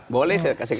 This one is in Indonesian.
boleh saya kasih